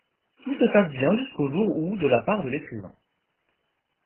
Tout se passe bien jusqu'au jour où de la part de l'écrivain.